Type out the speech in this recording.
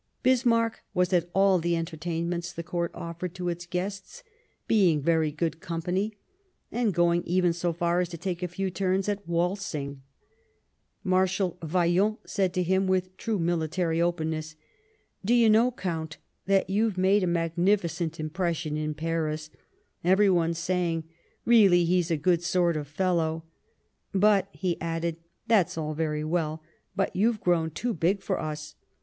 Bismarck was at all the entertainments the Court offered to its guests, being very good company, and going even so far as to take a few turns at waltzing. Marshal Vaillant said to him, with true military openness :" Do you know, Count, that you've made a mag nificent impression in Paris ? Every one's saying :' Reall}^ he's a good sort of fellow.' But," he added, " that's all very well, but you've grown too big for us.